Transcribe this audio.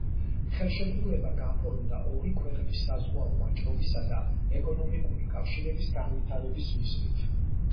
ხელშეკრულება გაფორმდა ორი ქვეყნის საზღვაო ვაჭრობისა და ეკონომიკური კავშირების განვითარების მიზნით.